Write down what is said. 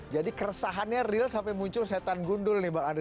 jadi keresahannya real sampai muncul setan gundul nih bang andre